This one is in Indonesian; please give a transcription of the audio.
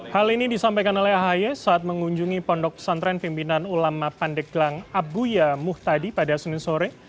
hal ini disampaikan oleh ahy saat mengunjungi pondok pesantren pimpinan ulama pandeglang abuya muhtadi pada senin sore